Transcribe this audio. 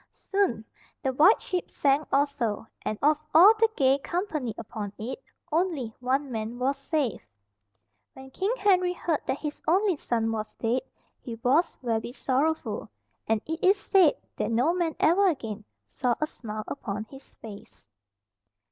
Soon the White Ship sank also, and of all the gay company upon it only one man was saved. When King Henry heard that his only son was dead, he was very sorrowful, and it is said that no man ever again saw a smile upon his face.